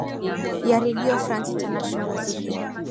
ya redio france international muziki